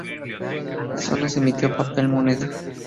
Solo se emitió papel moneda.